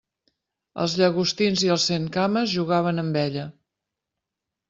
Els llagostins i els centcames jugaven amb ella.